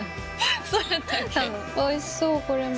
おいしそうこれも。